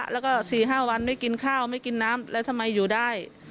แล้วก็๔๕วันไม่กินข้าวไม่กินน้ำแล้วทำไมอยู่ได้